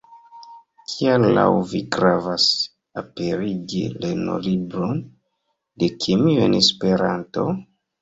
Kial laŭ vi gravas aperigi lernolibron de kemio en Esperanto?